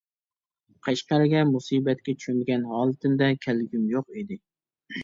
قەشقەرگە مۇسىبەتكە چۆمگەن ھالىتىمدە كەلگۈم يوق ئىدى.